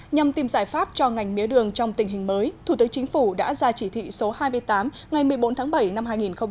nhằm tìm giải pháp cho ngành mía đường trong tình hình mới thủ tướng chính phủ đã ra chỉ thị số hai mươi tám ngày một mươi bốn tháng bảy năm hai nghìn một mươi chín